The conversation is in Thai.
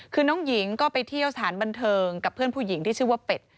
คือน้องหญิงก็ไปเที่ยวสถานบันเทิงกับเพื่อนผู้หญิงที่ชื่อว่าเป็ด